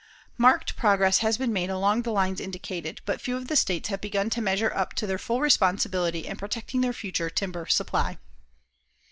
Marked progress has been made along the lines indicated, but few of the states have begun to measure up to their full responsibility in protecting their future timber supply.